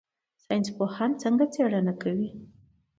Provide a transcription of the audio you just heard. ساینس پوهان څنګه څیړنه کوي؟